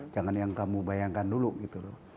jangan yang kamu bayangkan dulu gitu loh